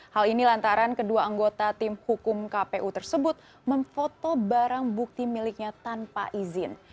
hal ini lantaran kedua anggota tim hukum kpu tersebut memfoto barang bukti miliknya tanpa izin